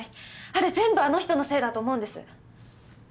あれ全部あの人のせいだと思うんです。